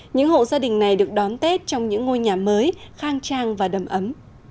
những hộ gia đình này được đón tết trong những ngôi nhà mới khang trang và đầm ấm